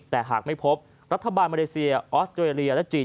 แต่หากไม่พบรัฐบาลมาเลเซียออสเตรเลียและจีน